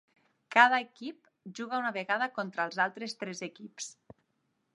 Cada equip juga una vegada contra els altres tres equips.